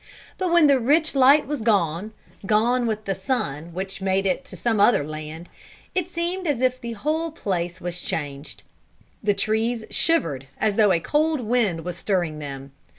But when the rich light was gone, gone with the sun which made it to some other land, it seemed as if the whole place was changed. The trees shivered as though a cold wind was stirring them.